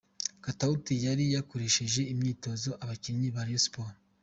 Katauti yari yakoresheje imyitozo abakinnyi ba Rayon Sports